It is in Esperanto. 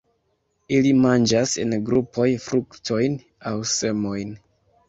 Ili manĝas en grupoj fruktojn aŭ semojn.